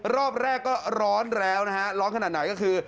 รอบแรกก็ร้อนแล้วนะฮะร้อนขนาดไหนก็คือ